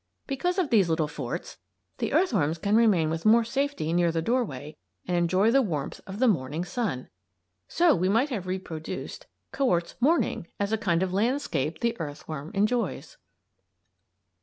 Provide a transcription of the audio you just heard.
Because of these little forts, the earthworms can remain with more safety near the doorway and enjoy the warmth of the morning sun. (So we might have reproduced Corot's "Morning" as a kind of landscape the earthworm enjoys!)